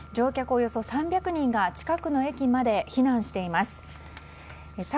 およそ３００人が近くの駅まで避難しています。